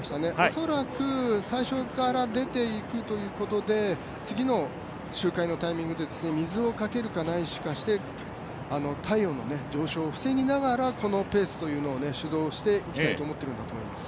恐らく最初から出ていくということで次の周回のタイミングで水をかけるか何かして体温の上昇を防ぎながらこのペースというのを主導していきたいんだと思っています。